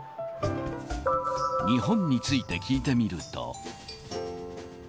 日本について聞いてみると。